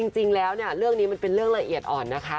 จริงแล้วเนี่ยเรื่องนี้มันเป็นเรื่องละเอียดอ่อนนะคะ